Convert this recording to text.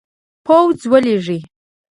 پوځ ولیږي.